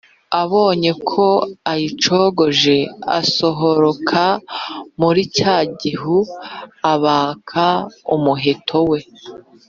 Abonye ko ayicogoje, asohoroka muri cya gihu, abaka umuheto we